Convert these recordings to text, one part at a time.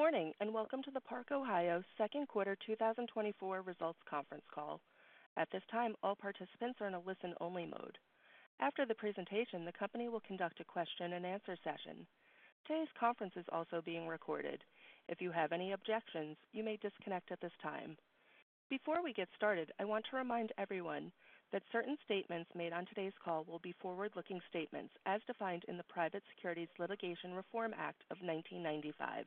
Good morning, and welcome to the Park-Ohio Second Quarter 2024 Results Conference Call. At this time, all participants are in a listen-only mode. After the presentation, the company will conduct a question-and-answer session. Today's conference is also being recorded. If you have any objections, you may disconnect at this time. Before we get started, I want to remind everyone that certain statements made on today's call will be forward-looking statements as defined in the Private Securities Litigation Reform Act of 1995.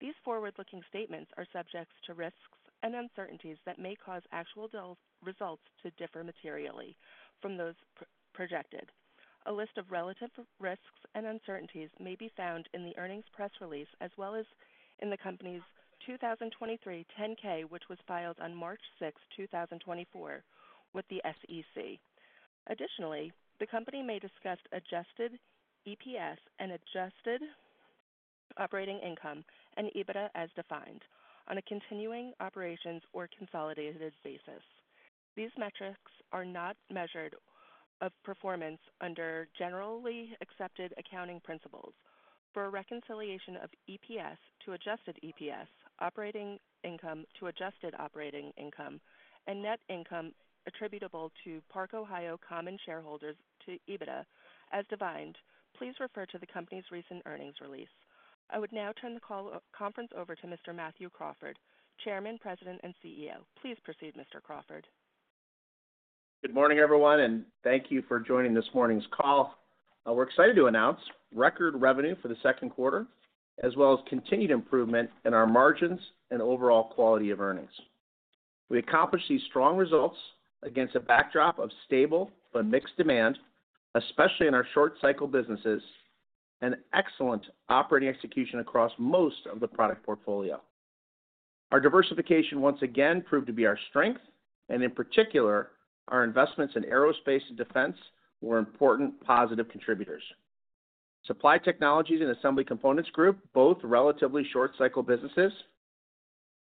These forward-looking statements are subject to risks and uncertainties that may cause actual results to differ materially from those projected. A list of relative risks and uncertainties may be found in the earnings press release, as well as in the company's 2023 10-K, which was filed on March 6, 2024, with the SEC. Additionally, the company may discuss adjusted EPS and adjusted operating income and EBITDA, as defined, on a continuing operations or consolidated basis. These metrics are not measures of performance under generally accepted accounting principles. For a reconciliation of EPS to adjusted EPS, operating income to adjusted operating income, and net income attributable to Park-Ohio common shareholders to EBITDA, as defined, please refer to the company's recent earnings release. I would now turn the call, conference over to Mr. Matthew Crawford, Chairman, President, and CEO. Please proceed, Mr. Crawford. Good morning, everyone, and thank you for joining this morning's call. We're excited to announce record revenue for the second quarter, as well as continued improvement in our margins and overall quality of earnings. We accomplished these strong results against a backdrop of stable but mixed demand, especially in our short cycle businesses, and excellent operating execution across most of the product portfolio. Our diversification once again proved to be our strength, and in particular, our investments in aerospace and defense were important positive contributors. Supply Technologies and Assembly Components Group, both relatively short cycle businesses,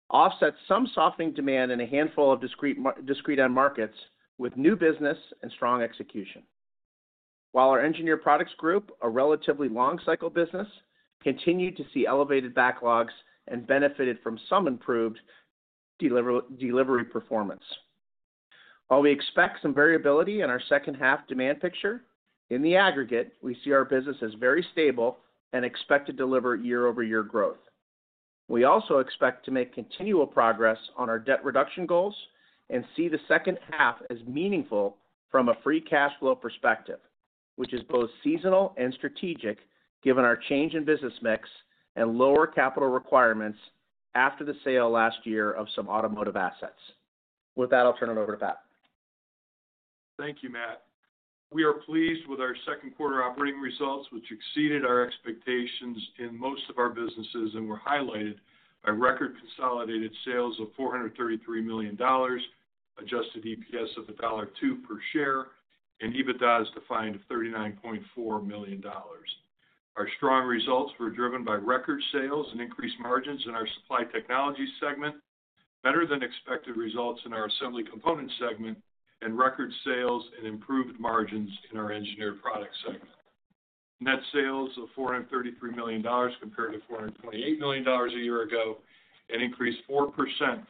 offset some softening demand in a handful of discrete end markets with new business and strong execution. While our Engineered Products Group, a relatively long cycle business, continued to see elevated backlogs and benefited from some improved delivery performance. While we expect some variability in our second half demand picture, in the aggregate, we see our business as very stable and expect to deliver year-over-year growth. We also expect to make continual progress on our debt reduction goals and see the second half as meaningful from a free cash flow perspective, which is both seasonal and strategic, given our change in business mix and lower capital requirements after the sale last year of some automotive assets. With that, I'll turn it over to Pat. Thank you, Matt. We are pleased with our second quarter operating results, which exceeded our expectations in most of our businesses and were highlighted by record consolidated sales of $433 million, adjusted EPS of $1.02 per share, and EBITDA as defined of $39.4 million. Our strong results were driven by record sales and increased margins in our Supply Technology segment, better than expected results in our Assembly Components segment, and record sales and improved margins in our Engineered Products segment. Net sales of $433 million, compared to $428 million a year ago, and increased 4%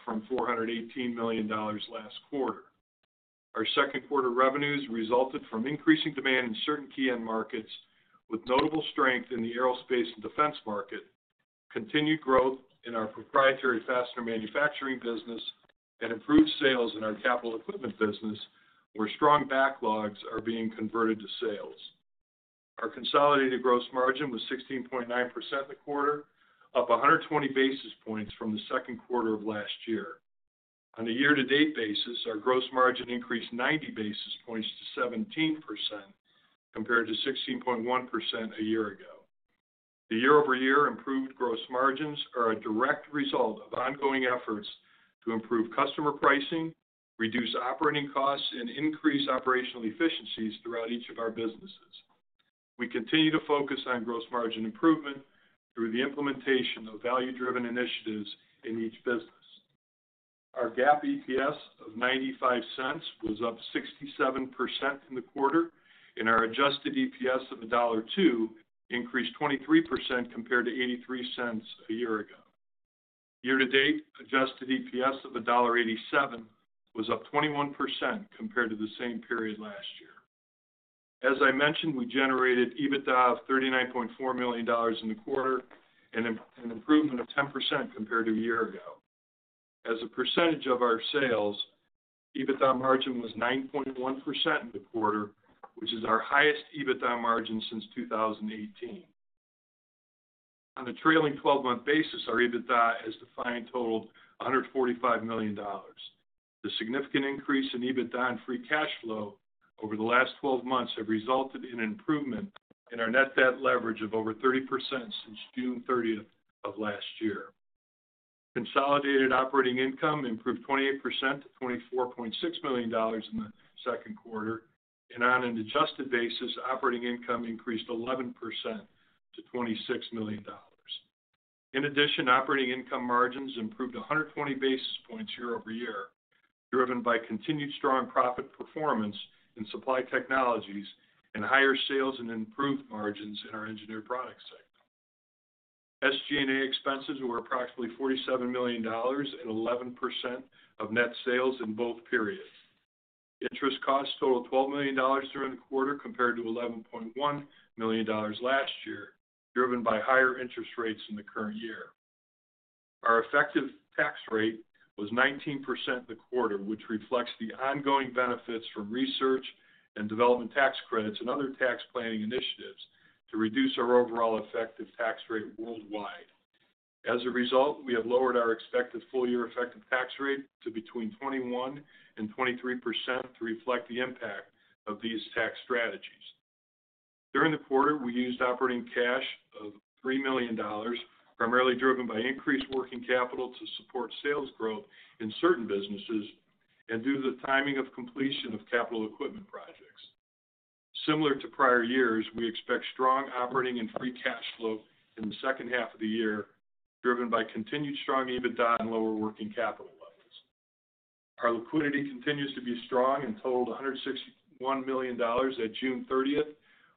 from $418 million last quarter. Our second quarter revenues resulted from increasing demand in certain key end markets, with notable strength in the aerospace and defense market, continued growth in our proprietary fastener manufacturing business, and improved sales in our capital equipment business, where strong backlogs are being converted to sales. Our consolidated gross margin was 16.9% in the quarter, up 120 basis points from the second quarter of last year. On a year-to-date basis, our gross margin increased 90 basis points to 17%, compared to 16.1% a year ago. The year-over-year improved gross margins are a direct result of ongoing efforts to improve customer pricing, reduce operating costs, and increase operational efficiencies throughout each of our businesses. We continue to focus on gross margin improvement through the implementation of value-driven initiatives in each business. Our GAAP EPS of $0.95 was up 67% in the quarter, and our adjusted EPS of $1.02 increased 23% compared to $0.83 a year ago. Year-to-date, adjusted EPS of $1.87 was up 21% compared to the same period last year. As I mentioned, we generated EBITDA of $39.4 million in the quarter, an improvement of 10% compared to a year ago. As a percentage of our sales, EBITDA margin was 9.1% in the quarter, which is our highest EBITDA margin since 2018. On a trailing twelve-month basis, our EBITDA, as defined, totaled $145 million. The significant increase in EBITDA and free cash flow over the last 12 months have resulted in an improvement in our net debt leverage of over 30% since June 30th of last year. Consolidated operating income improved 28% to $24.6 million in the second quarter, and on an adjusted basis, operating income increased 11% to $26 million. In addition, operating income margins improved 120 basis points year-over-year... driven by continued strong profit performance in Supply Technologies and higher sales and improved margins in our Engineered Products segment. SG&A expenses were approximately $47 million and 11% of net sales in both periods. Interest costs totaled $12 million during the quarter, compared to $11.1 million last year, driven by higher interest rates in the current year. Our effective tax rate was 19% in the quarter, which reflects the ongoing benefits from research and development tax credits and other tax planning initiatives to reduce our overall effective tax rate worldwide. As a result, we have lowered our expected full-year effective tax rate to between 21% and 23% to reflect the impact of these tax strategies. During the quarter, we used operating cash of $3 million, primarily driven by increased working capital to support sales growth in certain businesses and due to the timing of completion of capital equipment projects. Similar to prior years, we expect strong operating and free cash flow in the second half of the year, driven by continued strong EBITDA and lower working capital levels. Our liquidity continues to be strong and totaled $161 million at June thirtieth,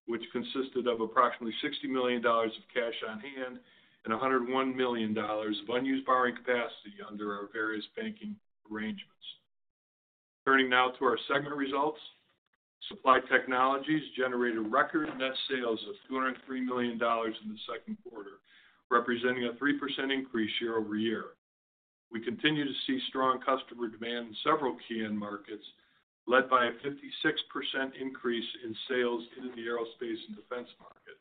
which consisted of approximately $60 million of cash on hand and $101 million of unused borrowing capacity under our various banking arrangements. Turning now to our segment results. Supply Technologies generated record net sales of $203 million in the second quarter, representing a 3% increase year-over-year. We continue to see strong customer demand in several key end markets, led by a 56% increase in sales into the aerospace and defense market.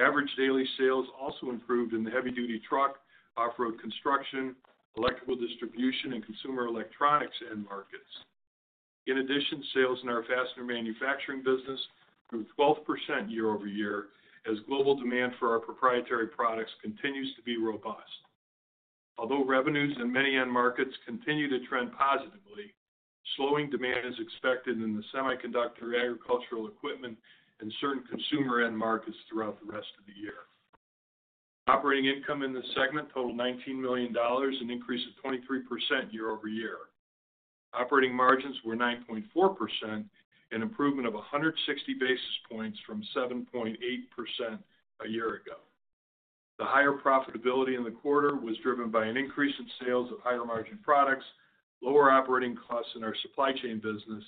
Average daily sales also improved in the heavy-duty truck, off-road construction, electrical distribution, and consumer electronics end markets. In addition, sales in our fastener manufacturing business grew 12% year-over-year, as global demand for our proprietary products continues to be robust. Although revenues in many end markets continue to trend positively, slowing demand is expected in the semiconductor, agricultural equipment, and certain consumer end markets throughout the rest of the year. Operating income in this segment totaled $19 million, an increase of 23% year-over-year. Operating margins were 9.4%, an improvement of 160 basis points from 7.8% a year ago. The higher profitability in the quarter was driven by an increase in sales of higher-margin products, lower operating costs in our supply chain business,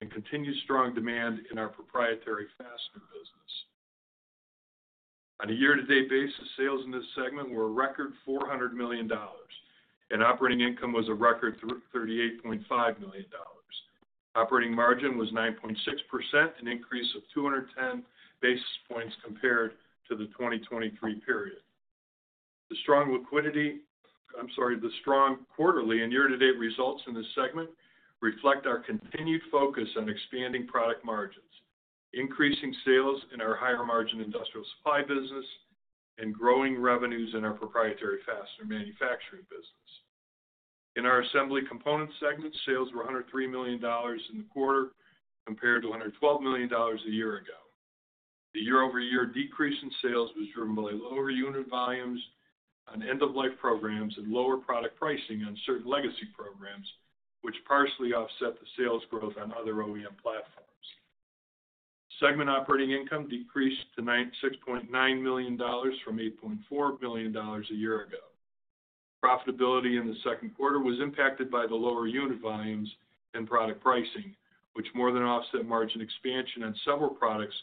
and continued strong demand in our proprietary fastener business. On a year-to-date basis, sales in this segment were a record $400 million, and operating income was a record $38.5 million. Operating margin was 9.6%, an increase of 210 basis points compared to the 2023 period. The strong liquidity—I'm sorry, the strong quarterly and year-to-date results in this segment reflect our continued focus on expanding product margins, increasing sales in our higher-margin industrial supply business, and growing revenues in our proprietary fastener manufacturing business. In our Assembly Components segment, sales were $103 million in the quarter, compared to $112 million a year ago. The year-over-year decrease in sales was driven by lower unit volumes on end-of-life programs and lower product pricing on certain legacy programs, which partially offset the sales growth on other OEM platforms. Segment operating income decreased to $9.6 million from $8.4 million a year ago. Profitability in the second quarter was impacted by the lower unit volumes and product pricing, which more than offset margin expansion on several products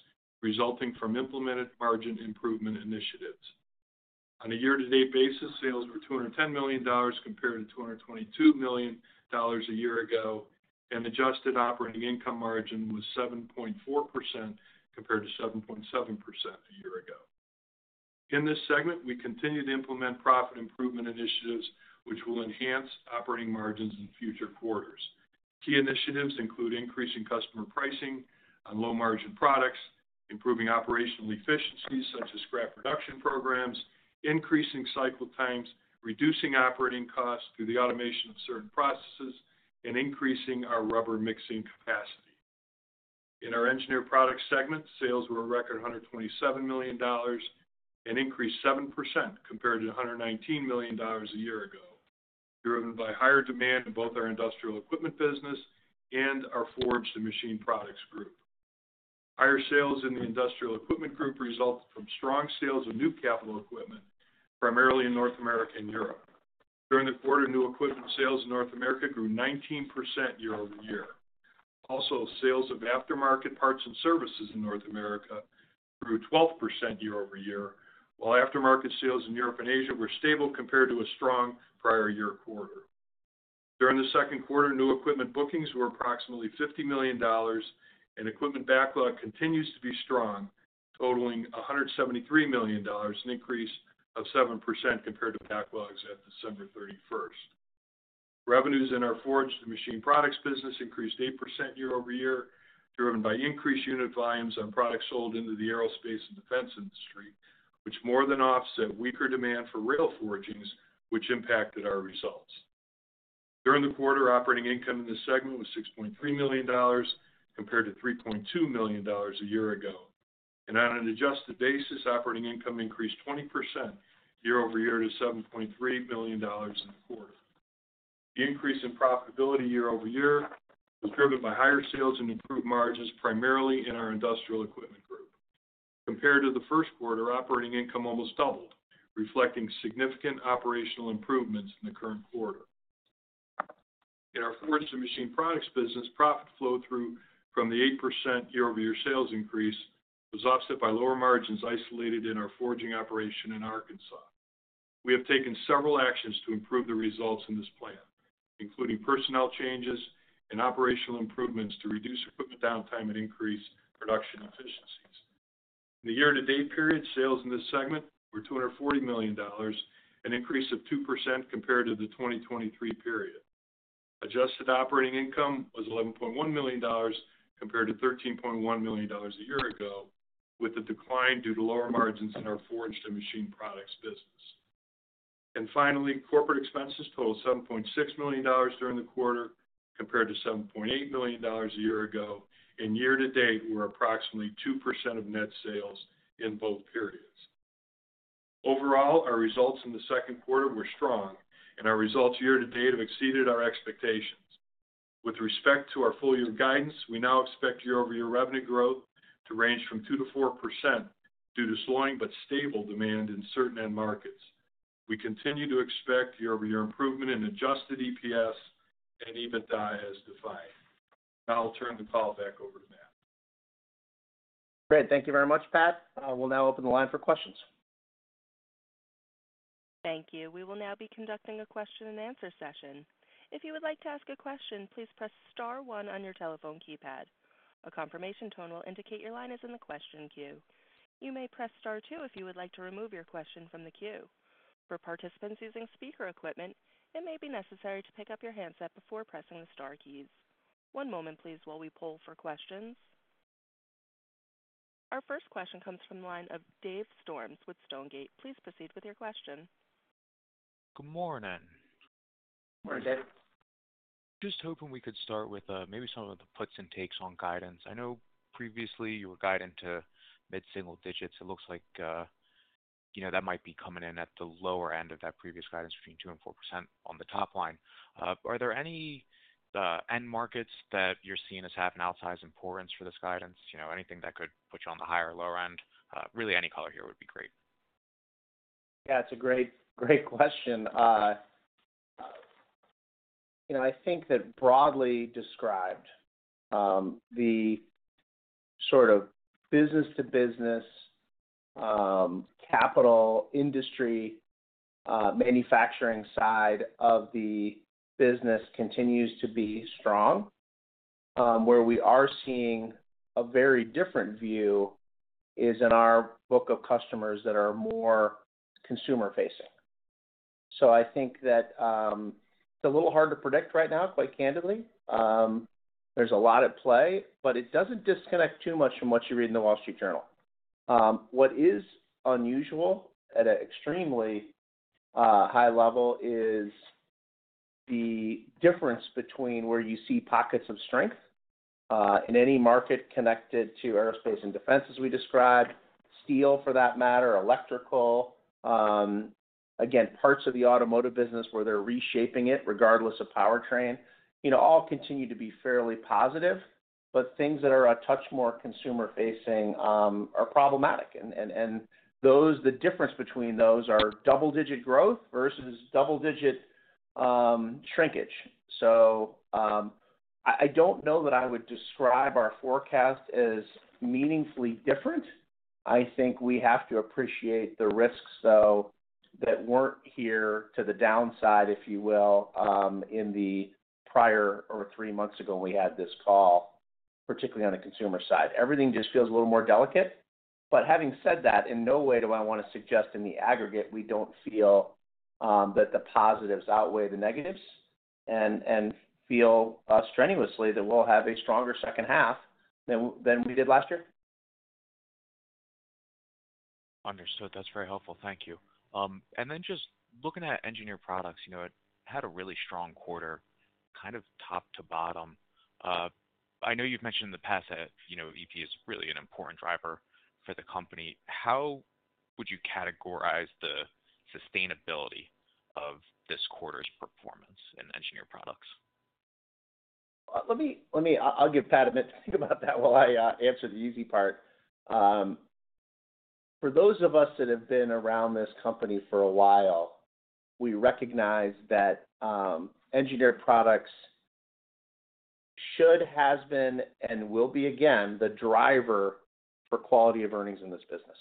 resulting from implemented margin improvement initiatives. On a year-to-date basis, sales were $210 million, compared to $222 million a year ago, and adjusted operating income margin was 7.4%, compared to 7.7% a year ago. In this segment, we continue to implement profit improvement initiatives, which will enhance operating margins in future quarters. Key initiatives include increasing customer pricing on low-margin products, improving operational efficiencies, such as scrap reduction programs, increasing cycle times, reducing operating costs through the automation of certain processes, and increasing our rubber mixing capacity. In our Engineered Products segment, sales were a record $127 million, an increase 7% compared to $119 million a year ago, driven by higher demand in both our Industrial Equipment business and our Forged and Machined Products Group. Higher sales in the Industrial Equipment Group resulted from strong sales of new capital equipment, primarily in North America and Europe. During the quarter, new equipment sales in North America grew 19% year-over-year. Also, sales of aftermarket parts and services in North America grew 12% year-over-year, while aftermarket sales in Europe and Asia were stable compared to a strong prior year quarter. During the second quarter, new equipment bookings were approximately $50 million, and equipment backlog continues to be strong, totaling $173 million, an increase of 7% compared to backlogs at December 31st. Revenues in our Forged and Machined Products business increased 8% year-over-year, driven by increased unit volumes on products sold into the aerospace and defense industry, which more than offset weaker demand for rail forgings, which impacted our results. During the quarter, operating income in this segment was $6.3 million, compared to $3.2 million a year ago. On an adjusted basis, operating income increased 20% year-over-year to $7.3 million fbilliin the quarter. The increase in profitability year-over-year was driven by higher sales and improved margins, primarily in our Industrial Equipment Group. Compared to the first quarter, operating income almost doubled, reflecting significant operational improvements in the current quarter. In our Forged and Machined Products business, profit flow through from the 8% year-over-year sales increase was offset by lower margins isolated in our forging operation in Arkansas. We have taken several actions to improve the results in this plant, including personnel changes and operational improvements to reduce equipment downtime and increase production efficiencies. In the year-to-date period, sales in this segment were $240 million, an increase of 2% compared to the 2023 period. Adjusted operating income was $11.1 million, compared to $13.1 million a year ago, with the decline due to lower margins in our Forged and Machined Products business. Finally, corporate expenses totaled $7.6 million during the quarter, compared to $7.8 million a year ago, and year-to-date were approximately 2% of net sales in both periods. Overall, our results in the second quarter were strong, and our results year-to-date have exceeded our expectations. With respect to our full year guidance, we now expect year-over-year revenue growth to range from 2%-4% due to slowing but stable demand in certain end markets. We continue to expect year-over-year improvement in adjusted EPS and EBITDA as defined. Now I'll turn the call back over to Matt. Great. Thank you very much, Pat. We'll now open the line for questions. Thank you. We will now be conducting a question-and-answer session. If you would like to ask a question, please press star one on your telephone keypad. A confirmation tone will indicate your line is in the question queue. You may press Star two if you would like to remove your question from the queue. For participants using speaker equipment, it may be necessary to pick up your handset before pressing the star keys. One moment, please, while we poll for questions. Our first question comes from the line of Dave Storms with Stonegate. Please proceed with your question. Good morning. Good morning, Dave. Just hoping we could start with, maybe some of the puts and takes on guidance. I know previously you were guiding to mid-single digits. It looks like, you know, that might be coming in at the lower end of that previous guidance between 2% and 4% on the top line. Are there any, end markets that you're seeing as having outsized importance for this guidance? You know, anything that could put you on the higher or lower end? Really, any color here would be great. Yeah, it's a great, great question. You know, I think that broadly described, the sort of business-to-business, capital industry, manufacturing side of the business continues to be strong. Where we are seeing a very different view is in our book of customers that are more consumer facing. So I think that, it's a little hard to predict right now, quite candidly. There's a lot at play, but it doesn't disconnect too much from what you read in The Wall Street Journal. What is unusual at an extremely, high level is the difference between where you see pockets of strength, in any market connected to aerospace and defense, as we described, steel, for that matter, electrical, again, parts of the automotive business where they're reshaping it regardless of powertrain, you know, all continue to be fairly positive. But things that are a touch more consumer facing are problematic. And those, the difference between those are double-digit growth versus double-digit shrinkage. So, I don't know that I would describe our forecast as meaningfully different. I think we have to appreciate the risks, though, that weren't here to the downside, if you will, in the prior or three months ago, when we had this call, particularly on the consumer side. Everything just feels a little more delicate. But having said that, in no way do I want to suggest in the aggregate, we don't feel that the positives outweigh the negatives, and feel strenuously that we'll have a stronger second half than we did last year. Understood. That's very helpful. Thank you. And then just looking at Engineered Products, you know, it had a really strong quarter, kind of top to bottom. I know you've mentioned in the past that, you know, EP is really an important driver for the company. How would you categorize the sustainability of this quarter's performance in Engineered Products? Let me- I'll give Pat a minute to think about that while I answer the easy part. For those of us that have been around this company for a while, we recognize that Engineered Products should, has been, and will be again, the driver for quality of earnings in this business.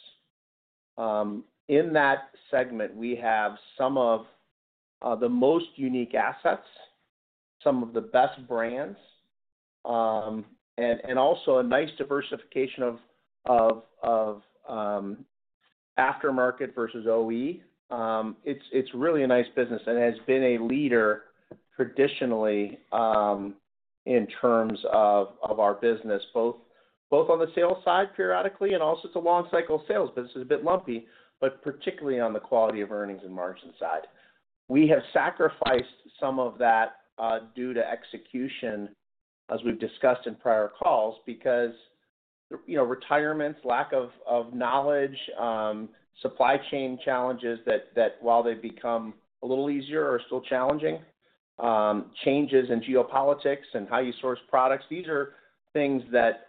In that segment, we have some of the most unique assets, some of the best brands, and also a nice diversification of aftermarket versus OE. It's really a nice business and has been a leader traditionally in terms of our business, both on the sales side periodically and also it's a long cycle sales business, a bit lumpy, but particularly on the quality of earnings and margin side. We have sacrificed some of that due to execution, as we've discussed in prior calls, because, you know, retirements, lack of knowledge, supply chain challenges that while they've become a little easier, are still challenging, changes in geopolitics and how you source products. These are things that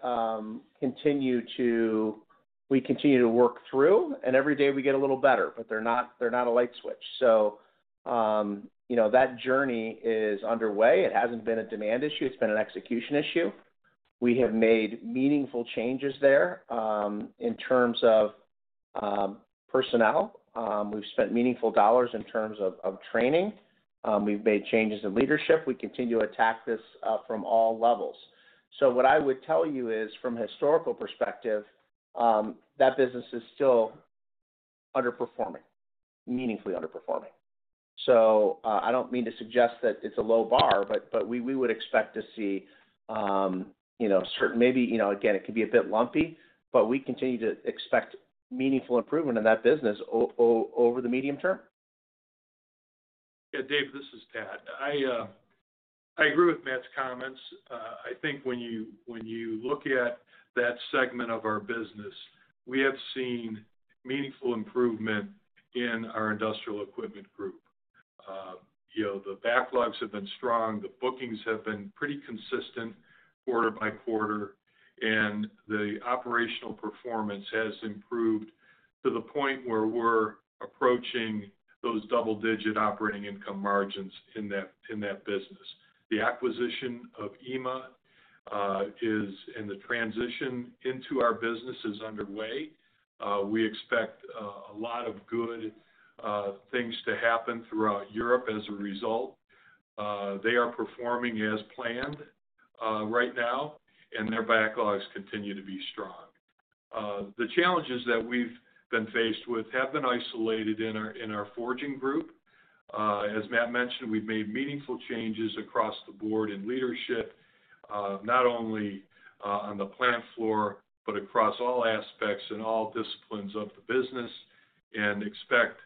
we continue to work through, and every day we get a little better, but they're not, they're not a light switch. So, you know, that journey is underway. It hasn't been a demand issue, it's been an execution issue. We have made meaningful changes there in terms of personnel. We've spent meaningful dollars in terms of training. We've made changes in leadership. We continue to attack this from all levels. What I would tell you is, from a historical perspective, that business is still underperforming, meaningfully underperforming. I don't mean to suggest that it's a low bar, but we would expect to see, you know, certain maybe, you know, again, it could be a bit lumpy, but we continue to expect meaningful improvement in that business over the medium term. Yeah, Dave, this is Pat. I, I agree with Matt's comments. I think when you, when you look at that segment of our business, we have seen meaningful improvement in our industrial equipment group. You know, the backlogs have been strong, the bookings have been pretty consistent quarter by quarter, and the operational performance has improved to the point where we're approaching those double-digit operating income margins in that, in that business. The acquisition of EMA is in the transition into our business is underway. We expect a lot of good things to happen throughout Europe as a result. They are performing as planned right now, and their backlogs continue to be strong. The challenges that we've been faced with have been isolated in our, in our forging group. As Matt mentioned, we've made meaningful changes across the board in leadership, not only on the plant floor, but across all aspects and all disciplines of the business, and expect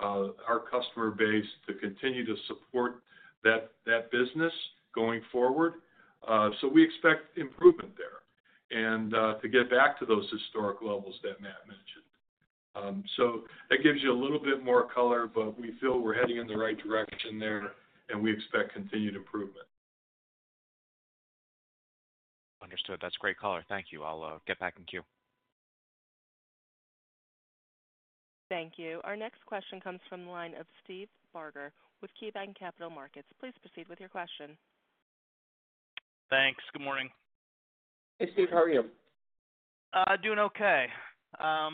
our customer base to continue to support that business going forward. So we expect improvement there, and to get back to those historic levels that Matt mentioned. So that gives you a little bit more color, but we feel we're heading in the right direction there, and we expect continued improvement. Understood. That's great color. Thank you. I'll get back in queue. Thank you. Our next question comes from the line of Steve Barger with KeyBanc Capital Markets. Please proceed with your question. Thanks. Good morning. Hey, Steve. How are you? Doing okay. I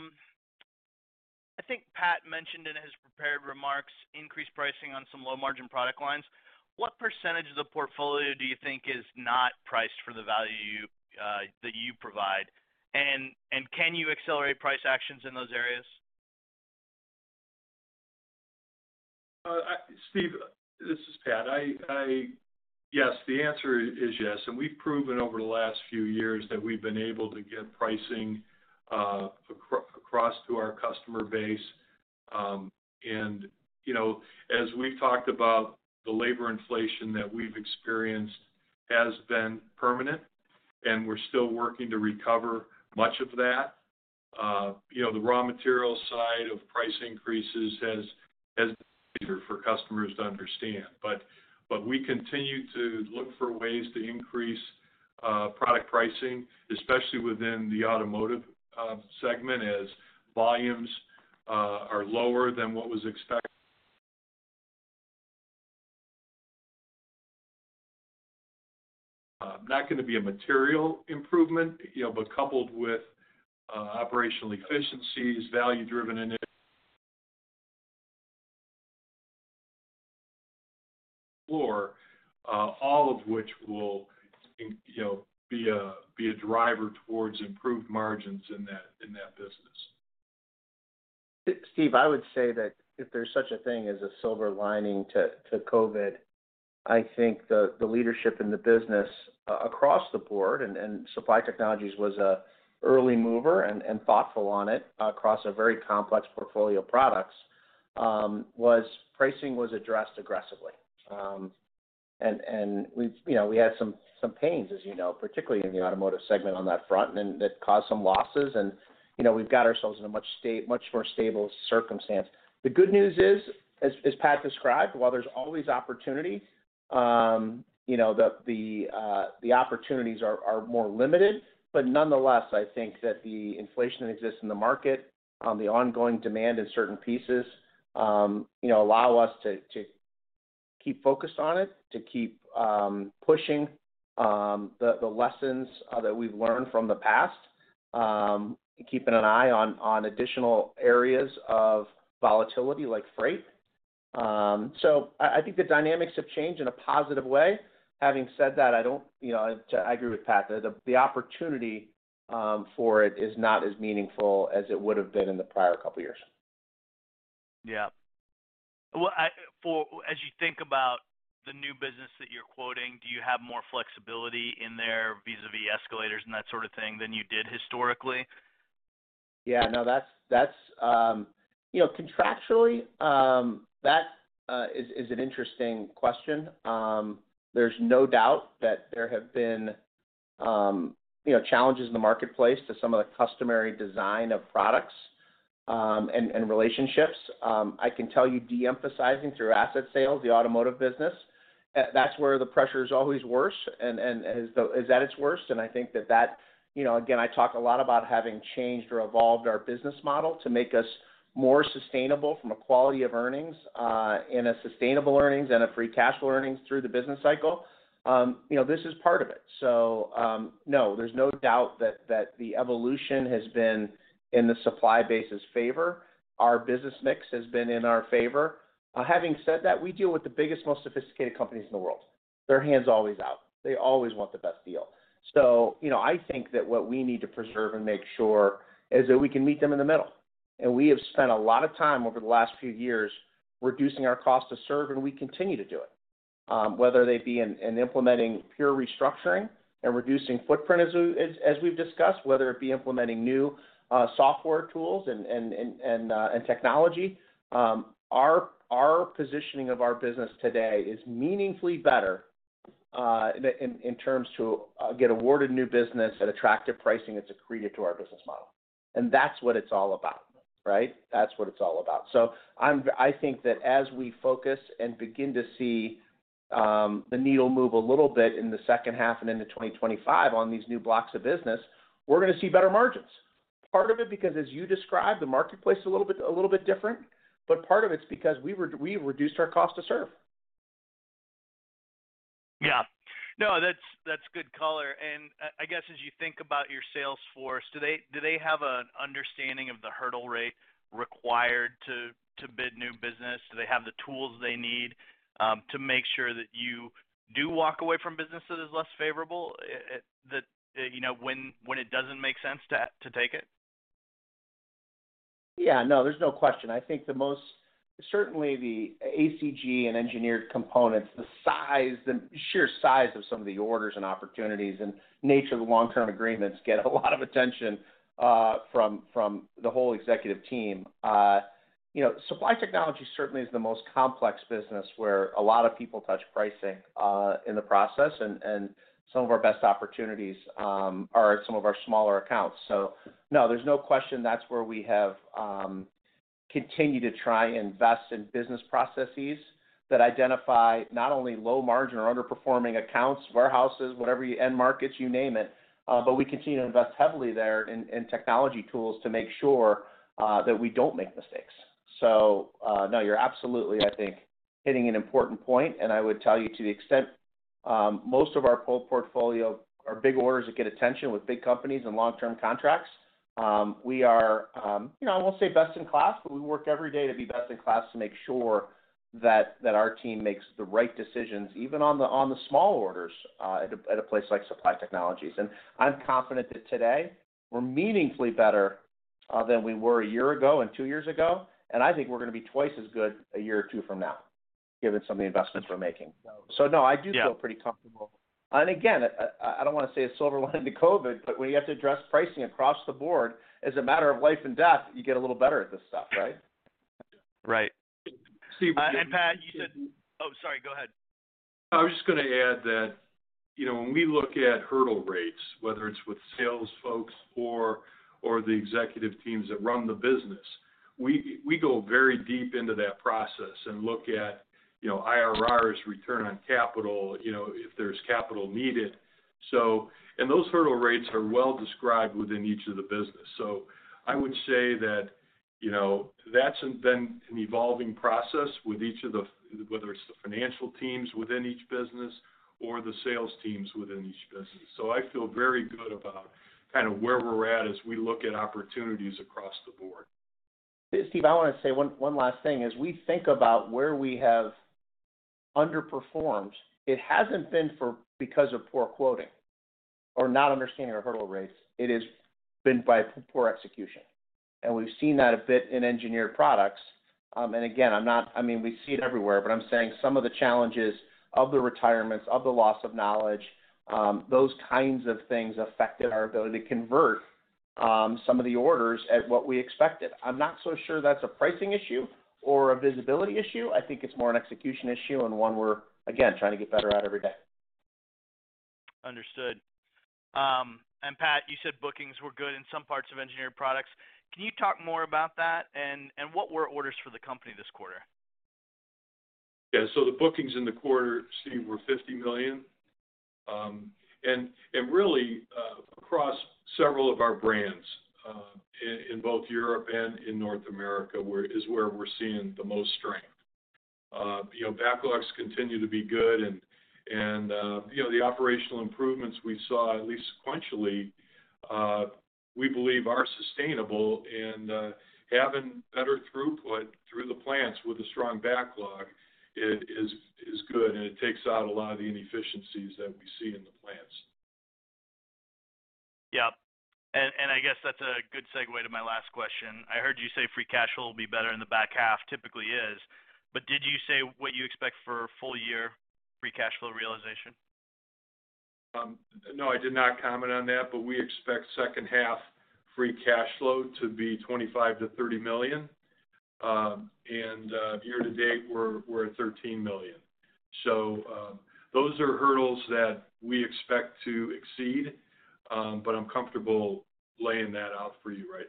think Pat mentioned in his prepared remarks, increased pricing on some low-margin product lines. What percentage of the portfolio do you think is not priced for the value that you provide? And can you accelerate price actions in those areas? Steve, this is Pat. Yes, the answer is yes, and we've proven over the last few years that we've been able to get pricing across to our customer base. And, you know, as we've talked about, the labor inflation that we've experienced has been permanent, and we're still working to recover much of that. You know, the raw material side of price increases has been bigger for customers to understand. But we continue to look for ways to increase product pricing, especially within the automotive segment, as volumes are lower than what was expected. Not gonna be a material improvement, you know, but coupled with operational efficiencies, value-driven initiative or all of which will, you know, be a driver towards improved margins in that business. Steve, I would say that if there's such a thing as a silver lining to COVID, I think the leadership in the business across the board and Supply Technologies was an early mover and thoughtful on it, across a very complex portfolio of products. Pricing was addressed aggressively. And, you know, we had some pains, as you know, particularly in the automotive segment on that front, and that caused some losses. And, you know, we've got ourselves in a much more stable circumstance. The good news is, as Pat described, while there's always opportunity, you know, the opportunities are more limited. But nonetheless, I think that the inflation that exists in the market, the ongoing demand in certain pieces, you know, allow us to keep focused on it, to keep pushing the lessons that we've learned from the past, keeping an eye on additional areas of volatility like freight. So I think the dynamics have changed in a positive way. Having said that, I don't... You know, I agree with Pat, that the opportunity for it is not as meaningful as it would have been in the prior couple of years. Yeah. Well, as you think about the new business that you're quoting, do you have more flexibility in there vis-à-vis escalators and that sort of thing than you did historically? Yeah, no, that's, that's, you know, contractually, that is an interesting question. There's no doubt that there have been, you know, challenges in the marketplace to some of the customary design of products, and relationships. I can tell you, de-emphasizing through asset sales, the automotive business, that's where the pressure is always worse, and is at its worst, and I think that that... You know, again, I talk a lot about having changed or evolved our business model to make us more sustainable from a quality of earnings, and a sustainable earnings and a free cash flow earnings through the business cycle. You know, this is part of it. So, no, there's no doubt that the evolution has been in the supply base's favor. Our business mix has been in our favor. Having said that, we deal with the biggest, most sophisticated companies in the world. Their hand's always out. They always want the best deal. So, you know, I think that what we need to preserve and make sure is that we can meet them in the middle. And we have spent a lot of time over the last few years reducing our cost to serve, and we continue to do it. Whether they be in implementing pure restructuring and reducing footprint, as we've discussed, whether it be implementing new software tools and technology. Our positioning of our business today is meaningfully better in terms to get awarded new business at attractive pricing that's accretive to our business model. And that's what it's all about, right? That's what it's all about. So I think that as we focus and begin to see the needle move a little bit in the second half and into 2025 on these new blocks of business, we're gonna see better margins. Part of it because, as you described, the marketplace a little bit, a little bit different, but part of it's because we reduced our cost to serve. Yeah. No, that's good color. And I guess, as you think about your sales force, do they have an understanding of the hurdle rate required to bid new business? Do they have the tools they need to make sure that you do walk away from business that is less favorable, that you know, when it doesn't make sense to take it? Yeah. No, there's no question. I think the most certainly, the ACG and engineered components, the size, the sheer size of some of the orders and opportunities and nature of the long-term agreements get a lot of attention from the whole executive team. You know, supply technology certainly is the most complex business, where a lot of people touch pricing in the process, and some of our best opportunities are some of our smaller accounts. So no, there's no question that's where we have continued to try and invest in business processes that identify not only low margin or underperforming accounts, warehouses, whatever your end markets, you name it. But we continue to invest heavily there in technology tools to make sure that we don't make mistakes. So, no, you're absolutely, I think, hitting an important point, and I would tell you, to the extent, most of our full portfolio are big orders that get attention with big companies and long-term contracts. We are, you know, I won't say best in class, but we work every day to be best in class to make sure that our team makes the right decisions, even on the small orders, at a place like Supply Technologies. And I'm confident that today we're meaningfully better than we were a year ago and two years ago, and I think we're gonna be twice as good a year or two from now, given some of the investments we're making. So no- Yeah. I do feel pretty comfortable. And again, I don't want to say a silver lining to COVID, but when you have to address pricing across the board, as a matter of life and death, you get a little better at this stuff, right? Right. Steve- Pat, you said... Oh, sorry, go ahead. I was just gonna add that, you know, when we look at hurdle rates, whether it's with sales folks or the executive teams that run the business, we go very deep into that process and look at, you know, IRRs, return on capital, you know, if there's capital needed. So, and those hurdle rates are well described within each of the business. So I would say that, you know, that's been an evolving process with each of the, whether it's the financial teams within each business or the sales teams within each business. So I feel very good about kind of where we're at as we look at opportunities across the board. Steve, I want to say one, one last thing. As we think about where we have underperformed, it hasn't been because of poor quoting or not understanding our hurdle rates. It has been by poor execution, and we've seen that a bit in Engineered Products. And again, I'm not. I mean, we see it everywhere, but I'm saying some of the challenges of the retirements, of the loss of knowledge, those kinds of things affected our ability to convert some of the orders at what we expected. I'm not so sure that's a pricing issue or a visibility issue. I think it's more an execution issue and one we're, again, trying to get better at every day. Understood. Pat, you said bookings were good in some parts of Engineered Products. Can you talk more about that, and what were orders for the company this quarter? Yeah. So the bookings in the quarter, Steve, were $50 million. And really, across several of our brands, in both Europe and in North America, is where we're seeing the most strength. You know, backlogs continue to be good, and you know, the operational improvements we saw, at least sequentially, we believe are sustainable. And having better throughput through the plants with a strong backlog, it is good, and it takes out a lot of the inefficiencies that we see in the plants. Yeah. And I guess that's a good segue to my last question. I heard you say free cash flow will be better in the back half, typically is, but did you say what you expect for full year free cash flow realization? No, I did not comment on that, but we expect second half free cash flow to be $25 million-$30 million. And, year to date, we're at $13 million. So, those are hurdles that we expect to exceed, but I'm comfortable laying that out for you right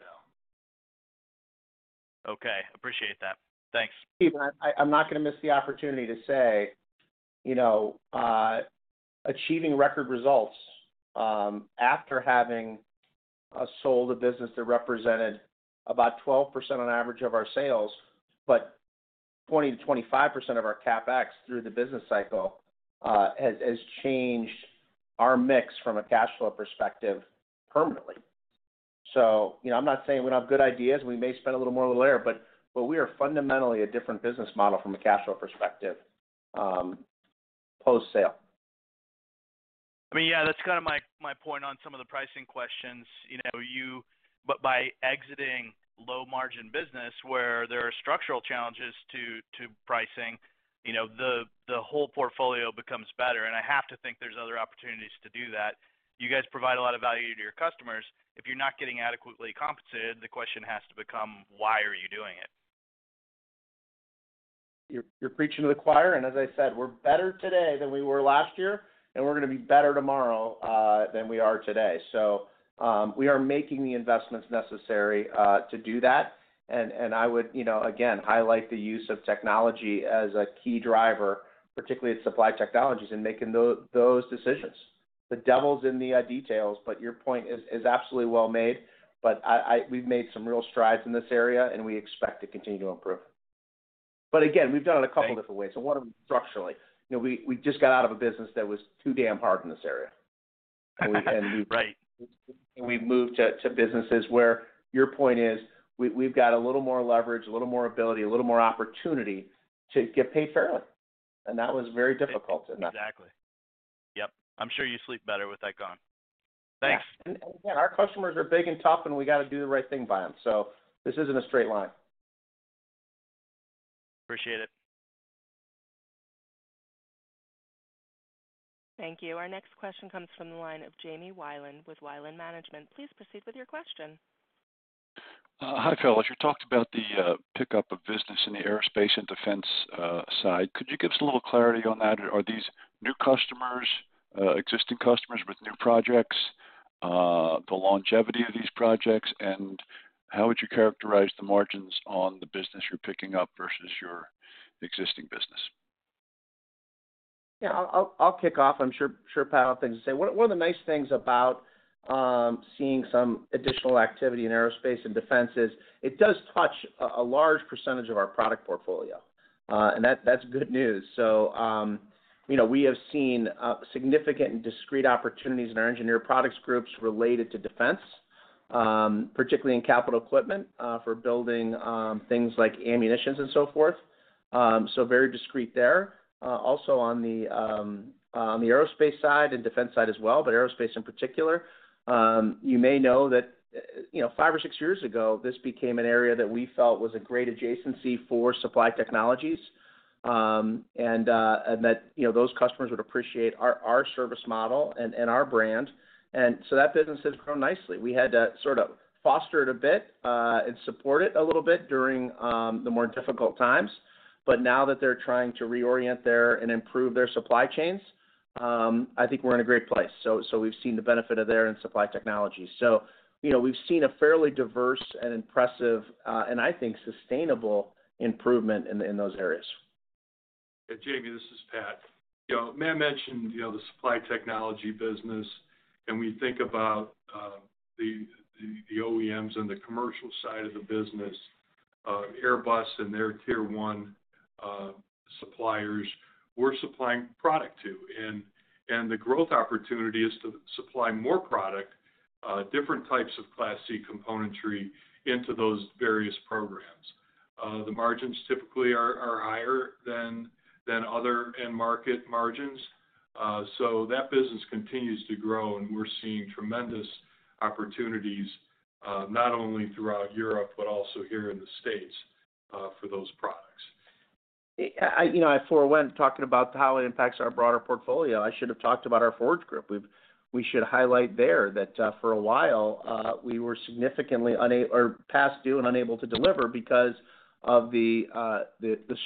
now. Okay, appreciate that. Thanks. Steve, I'm not gonna miss the opportunity to say, you know, achieving record results after having sold a business that represented about 12% on average of our sales, but 20%-25% of our CapEx through the business cycle has changed our mix from a cash flow perspective permanently. So, you know, I'm not saying we don't have good ideas. We may spend a little more over there, but we are fundamentally a different business model from a cash flow perspective post-sale. I mean, yeah, that's kind of my point on some of the pricing questions. You know, but by exiting low-margin business, where there are structural challenges to pricing, you know, the whole portfolio becomes better, and I have to think there's other opportunities to do that. You guys provide a lot of value to your customers. If you're not getting adequately compensated, the question has to become: why are you doing it? You're preaching to the choir, and as I said, we're better today than we were last year, and we're gonna be better tomorrow than we are today. So, we are making the investments necessary to do that. And I would, you know, again, highlight the use of technology as a key driver, particularly at Supply Technologies, in making those decisions. The devil's in the details, but your point is absolutely well made. But I -- we've made some real strides in this area, and we expect to continue to improve. But again, we've done it a couple different ways, and one of them is structurally. You know, we just got out of a business that was too damn hard in this area. Right. We've moved to businesses where your point is, we've got a little more leverage, a little more ability, a little more opportunity to get paid fairly, and that was very difficult in that. Exactly. Yep. I'm sure you sleep better with that gone. Thanks. Yeah, and, and our customers are big and tough, and we got to do the right thing by them, so this isn't a straight line. Appreciate it. Thank you. Our next question comes from the line of Jamie Weiland with Weiland Management. Please proceed with your question. Hi, fellas. You talked about the pickup of business in the aerospace and defense side. Could you give us a little clarity on that? Are these new customers, existing customers with new projects, the longevity of these projects, and how would you characterize the margins on the business you're picking up versus your existing business? Yeah, I'll kick off. I'm sure Pat will have things to say. One of the nice things about seeing some additional activity in aerospace and defense is it does touch a large percentage of our product portfolio, and that's good news. So, you know, we have seen significant and discrete opportunities in our engineered products groups related to defense, particularly in capital equipment, for building things like ammunition and so forth. So very discrete there. Also on the aerospace side and defense side as well, but aerospace in particular, you may know that, you know, 5 or 6 years ago, this became an area that we felt was a great adjacency for Supply Technologies, and that, you know, those customers would appreciate our service model and our brand. And so that business has grown nicely. We had to sort of foster it a bit, and support it a little bit during the more difficult times. But now that they're trying to reorient their and improve their supply chains, I think we're in a great place. So, so we've seen the benefit of there in Supply Technologies. So, you know, we've seen a fairly diverse and impressive, and I think sustainable improvement in, in those areas. Yeah, Jamie, this is Pat. You know, Matt mentioned, you know, the Supply Technologies business, and we think about the OEMs and the commercial side of the business, Airbus and their Tier One suppliers we're supplying product to. And the growth opportunity is to supply more product, different types of Class C componentry into those various programs. The margins typically are higher than other end market margins. So that business continues to grow, and we're seeing tremendous opportunities, not only throughout Europe, but also here in the States, for those products. You know, I forewent talking about how it impacts our broader portfolio. I should have talked about our Forge group. We should highlight there that we were significantly unable or past due and unable to deliver because of the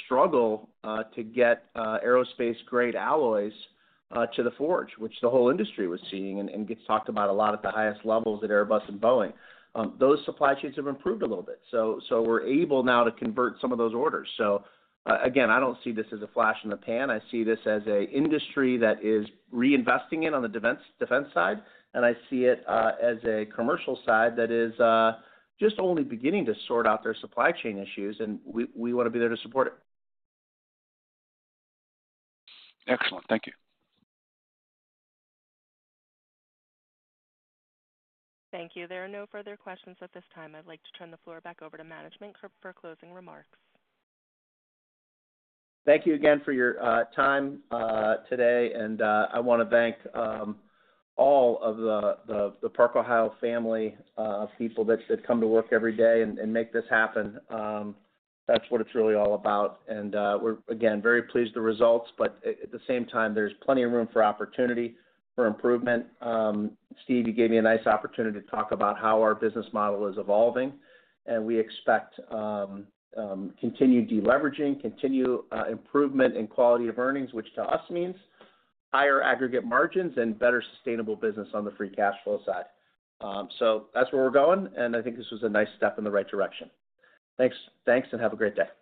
struggle to get aerospace-grade alloys to the forge, which the whole industry was seeing and gets talked about a lot at the highest levels at Airbus and Boeing. Those supply chains have improved a little bit, so we're able now to convert some of those orders. So, again, I don't see this as a flash in the pan. I see this as a industry that is reinvesting in on the defense, defense side, and I see it as a commercial side that is just only beginning to sort out their supply chain issues, and we, we want to be there to support it. Excellent. Thank you. Thank you. There are no further questions at this time. I'd like to turn the floor back over to management for closing remarks. Thank you again for your time today, and I want to thank all of the Park-Ohio family of people that come to work every day and make this happen. That's what it's really all about. And we're again very pleased with the results, but at the same time, there's plenty of room for opportunity for improvement. Steve, you gave me a nice opportunity to talk about how our business model is evolving, and we expect continued deleveraging, continued improvement in quality of earnings, which to us means higher aggregate margins and better sustainable business on the free cash flow side. So that's where we're going, and I think this was a nice step in the right direction. Thanks. Thanks, and have a great day.